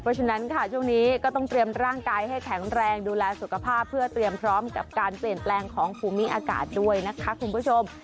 เพราะฉะนั้นค่ะช่วงนี้ก็ต้องเตรียมร่างกายให้แข็งแรงดูแลสุขภาพเพื่อเตรียมพร้อมกับการเปลี่ยนแปลงของภูมิอากาศด้วยนะคะคุณผู้ชม